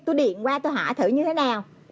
tôi điện qua tôi hỏi thử như thế nào